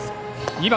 ２番